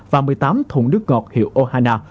và một mươi tám thùng nước ngọt hiệu ohana